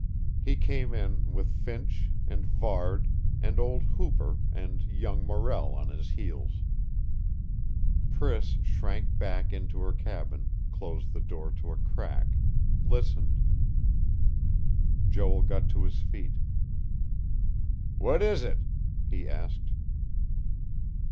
He came in, with Finch, and Varde, and old Hooper and young Morrell on his heels.... Priss shrank back into her cabin, closed the door to a crack, listened.... Joel got to his feet. "What is it?" he asked.